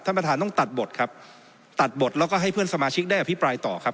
ท่านประธานต้องตัดบทครับตัดบทแล้วก็ให้เพื่อนสมาชิกได้อภิปรายต่อครับ